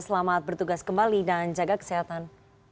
selamat bertugas kembali dan jaga kesehatan